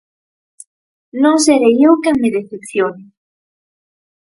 Non serei eu quen me decepcione.